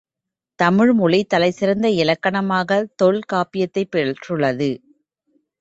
தமிழ் மொழி, தலை சிறந்த இலக்கணமாகத் தொல் காப்பியத்தைப் பெற்றுளது.